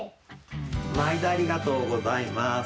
まいどありがとうございます。